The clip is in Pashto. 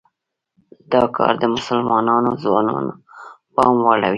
دا کار د مسلمانو ځوانانو پام واړوي.